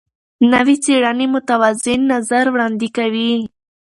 نوې څېړنې متوازن نظر وړاندې کوي.